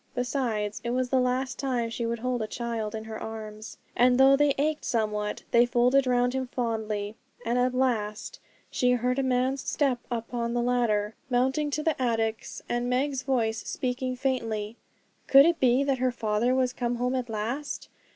Besides, it was the last time she would hold a child in her arms; and though they ached somewhat, they folded round him fondly. At last she heard a man's step upon the ladder mounting to the attics, and Meg's voice speaking faintly. Could it be that her father was come home at last?